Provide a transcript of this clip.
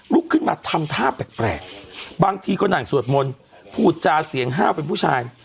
ลุกขึ้นมาทำท่าแปลกบางทีก็นั่งสวดมนต์พูดจาเสียงห้าวเป็นผู้ชาย